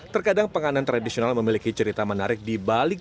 terkadang panganan ini juga bisa menarik